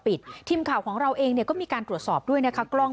พี่บ๊ายพี่บ๊ายพี่บ๊ายพี่บ๊ายพี่บ๊ายพี่บ๊าย